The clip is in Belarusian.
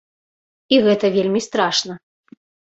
І гэта вельмі страшна.